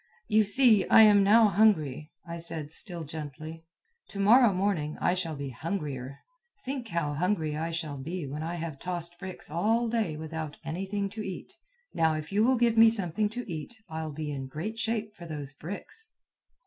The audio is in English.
"You see, I am now hungry," I said still gently. "To morrow morning I shall be hungrier. Think how hungry I shall be when I have tossed bricks all day without anything to eat. Now if you will give me something to eat, I'll be in great shape for those bricks."